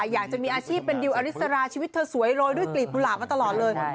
อยากจะมีอาชีพเป็นดิวอริสราชีวิตเธอสวยโรยด้วยกลีบกุหลาบมาตลอดเลย